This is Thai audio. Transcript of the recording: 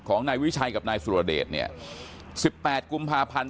ของนายวิชัยกับนายสุรเดชเนี่ย๑๘กุมภาพันธ์